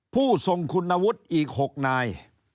ผู้ทรงคุณวุฒิอีก๖นาย